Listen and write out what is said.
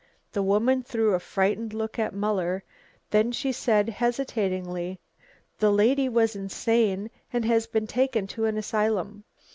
The woman threw a frightened look at Muller, then she said hesitatingly: "The lady was insane and has been taken to an asylum."